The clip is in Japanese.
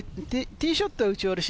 ティーショットは打ち下ろし。